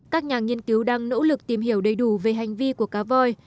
các nhà nghiên cứu đang nỗ lực tìm hiểu đầy đủ về hành vi của cá voi